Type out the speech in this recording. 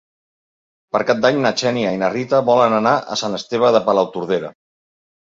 Per Cap d'Any na Xènia i na Rita volen anar a Sant Esteve de Palautordera.